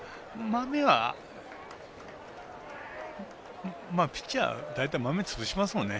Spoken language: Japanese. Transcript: まめは、ピッチャー大体、まめ、潰しますね。